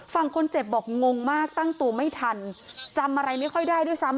ฝั่งคนเจ็บบอกงงมากตั้งตัวไม่ทันจำอะไรไม่ค่อยได้ด้วยซ้ำ